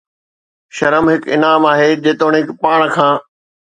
شرم هڪ انعام آهي، جيتوڻيڪ پاڻ کان